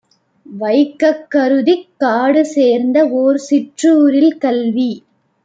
வைக்கக் கருதிக் காடுசேர்ந்த ஓர் சிற்றூரில் கல்வி